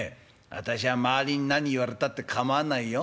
私は周りに何言われたって構わないよ。